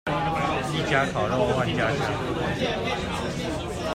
一家烤肉萬家香